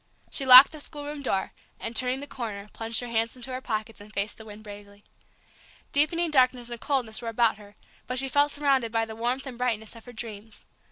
She locked the schoolroom door, and, turning the corner, plunged her hands into her pockets, and faced the wind bravely. Deepening darkness and coldness were about her, but she felt surrounded by the warmth and brightness of her dreams.